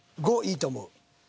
５いいと思う。